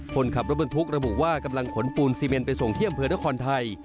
คนขับรถบรรทุกระบุว่ากำลังขนปูนซีเมนไปส่งที่อำเภอนครไทย